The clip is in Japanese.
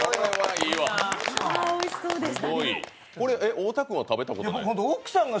太田君は食べたことないの？